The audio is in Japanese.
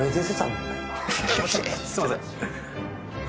すいません